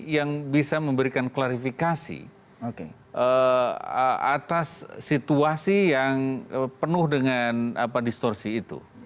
yang bisa memberikan klarifikasi atas situasi yang penuh dengan distorsi itu